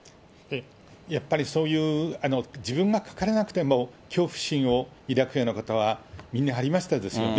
やっぱりそういう自分がかからなくても、恐怖心を抱くようなことは、みんなありましたですよね。